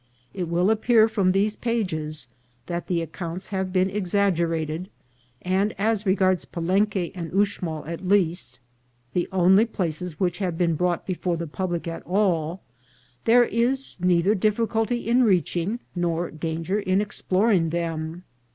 It will appear from these SUPPOSED ANTIQUITY OF THE R U I N S. 437 pages that the accounts have been exaggerated ; and, as regards Palenque and Uxmal at least, the only places which have been brought before the public at all, there is neither difficulty in reaching nor danger in exploring them.